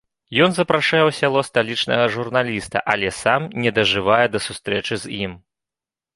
Ён запрашае ў сяло сталічнага журналіста, але сам не дажывае да сустрэчы з ім.